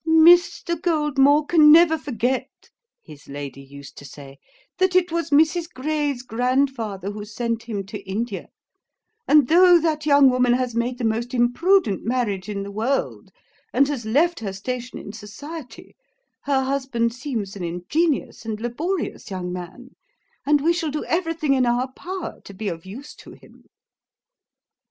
'Mr. Goldmore can never forget,' his lady used to say, 'that it was Mrs. Gray's Grandfather who sent him to India; and though that young woman has made the most imprudent marriage in the world, and has left her station in society, her husband seems an ingenious and laborious young man, and we shall do everything in our power to be of use to him.'